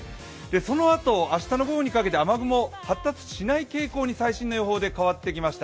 そのあと明日の午後にかけて雨雲、発達しない傾向に最新の予報で変わってきました。